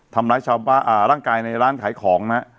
ทำร้ายชาวบ้านร่างกายในร้านขายของนะ